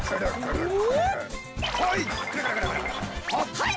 はい！